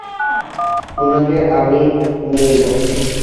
উনাকে আমি নিয়ে যাচ্ছি।